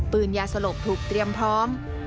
ยาสลบถูกเตรียมพร้อม